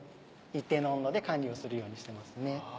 一定の温度で管理をするようにしてますね。